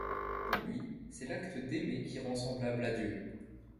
Pour lui, c'est l'acte d'aimer qui rend semblable à Dieu.